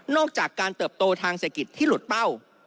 จากการเติบโตทางเศรษฐกิจที่หลุดเป้า